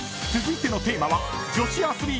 ［続いてのテーマは］